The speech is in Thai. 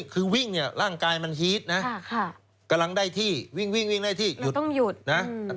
คือวิ่งเนี่ยร่างกายมันฮีดนะกำลังได้ที่วิ่งวิ่งได้ที่หยุดต้องหยุดนะ